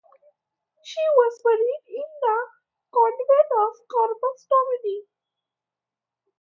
She was buried in the convent of Corpus Domini.